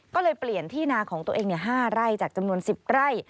ก็เลยเปลี่ยนที่นาของตัวเอง๕ไร่จากจำนวน๑๐ไร่